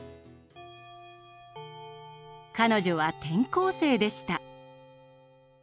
彼女は転校生でした。